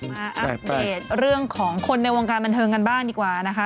อัปเดตเรื่องของคนในวงการบันเทิงกันบ้างดีกว่านะคะ